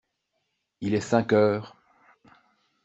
Il est cinq heures.